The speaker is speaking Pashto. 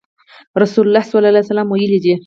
رسول الله صلی الله عليه وسلم ويلي دي :